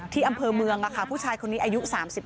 ที่อำเภอเมืองผู้ชายคนนี้อายุ๓๙